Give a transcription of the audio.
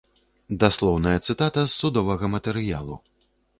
Даслоўная цытата з судовага матэрыялу.